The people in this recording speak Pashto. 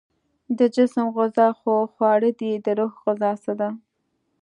د جسم غذا خو خواړه دي، د روح غذا څه ده؟